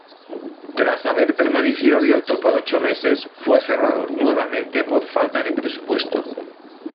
Tras haber permanecido abierto por ocho meses, fue cerrado nuevamente por falta de presupuesto.